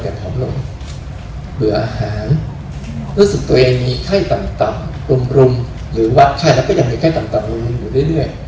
ผอมลงเบื่ออาหารรู้สึกตัวเองมีไข้ต่ำรุมหรือวักไข้แล้วก็ยังมีไข้ต่ำลงอยู่เรื่อย